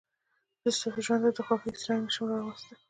زه ستاسو ژوند ته د خوښيو هېڅ رنګ نه شم راوړلى.